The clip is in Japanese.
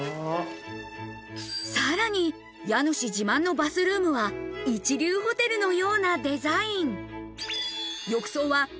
さらに家主自慢のバスルームは一流ホテルのようなデザイン。